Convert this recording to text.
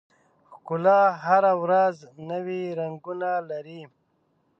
ښکلا هره ورځ نوي رنګونه لري.